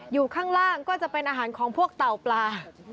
อยู่ข้างล่างก็จะเป็นอาหารของพวกเต่าปลา